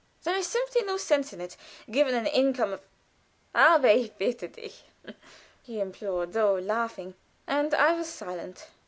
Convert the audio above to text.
"There is simply no sense in it. Given an income of " "Aber, ich bitte Dich!" he implored, though laughing; and I was silent.